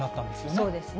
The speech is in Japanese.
そうですね。